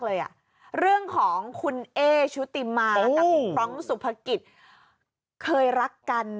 เลยอ่ะเรื่องของคุณเอชุติมาครองสุภากิศเคยรักกัน